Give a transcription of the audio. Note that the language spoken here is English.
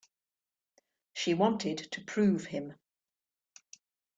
She wanted to prove him.